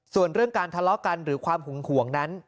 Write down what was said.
ส่วนเรื่องการทะเลาะกันหรือความหึงห่วงนั้น